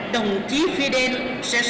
đồng chí fidel sẽ sống